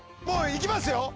もう行きますよ